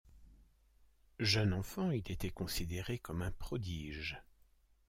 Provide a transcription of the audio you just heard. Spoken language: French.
Jeune enfant, il était considéré comme un prodige.